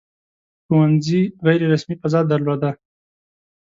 • ښوونځي غیر رسمي فضا درلوده.